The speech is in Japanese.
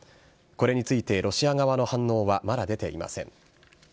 これについてロシア側の反応はまだ出ていません。